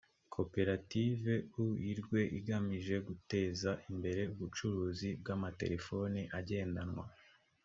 koperative u i rwe igamije guteza imbere ubucuruzi bw amatelefone agendanwa